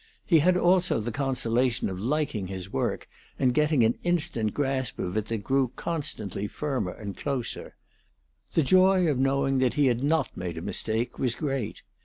He had also the consolation of liking his work, and of getting an instant grasp of it that grew constantly firmer and closer. The joy of knowing that he had not made a mistake was great.